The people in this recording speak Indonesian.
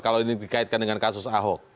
kalau ini dikaitkan dengan kasus ahok